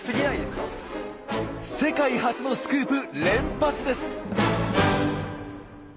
世界初のスクープ連発です！